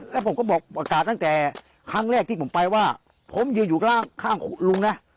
แล้วผมก็บอกอากาศตั้งแต่ครั้งแรกที่ผมไปว่าผมอยู่ข้างลุงนะ